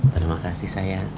terima kasih sayang